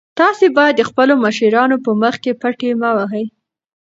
تاسي باید د خپلو مشرانو په مخ کې پټې مه وهئ.